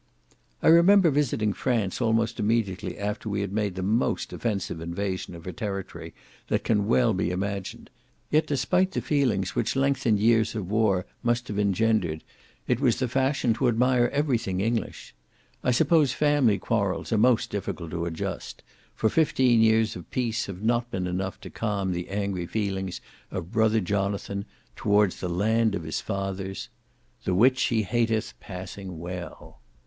I remember visiting France almost immediately after we had made the most offensive invasion of her territory that can well be imagined, yet, despite the feelings which lengthened years of war must have engendered, it was the fashion to admire every thing English. I suppose family quarrels are most difficult to adjust; for fifteen years of peace have not been enough to calm the angry feelings of brother Jonathan towards the land of his fathers, "The which he hateth passing well."